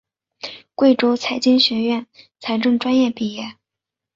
贵州财经学院财政专业毕业。